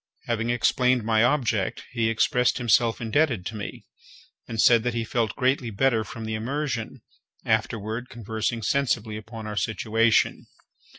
Having explained my object, he expressed himself indebted to me, and said that he felt greatly better from the immersion, afterward conversing sensibly upon our situation.